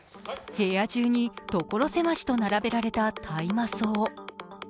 部屋中に所狭しと並べられた大麻草。